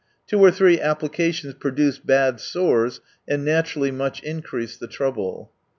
Two or three applications produce bad sores, and naturally much increase the trouble.